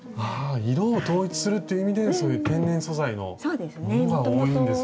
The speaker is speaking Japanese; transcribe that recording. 色を統一するっていう意味でそういう天然素材のものが多いんですね。